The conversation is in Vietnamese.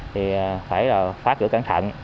thì phải phá cửa cẩn thận